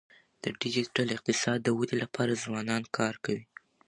د ډیجیټل اقتصاد د ودی لپاره ځوانان کار کوي.